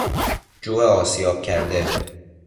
جو آسیاب کرده